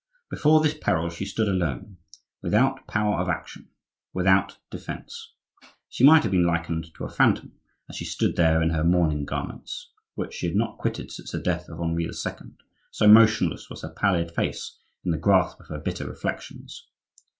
Before this peril she stood alone, without power of action, without defence. She might have been likened to a phantom, as she stood there in her mourning garments (which she had not quitted since the death of Henri II.) so motionless was her pallid face in the grasp of her bitter reflections.